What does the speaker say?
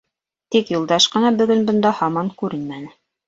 Тик Юлдаш ҡына бөгөн бында һаман күренмәне.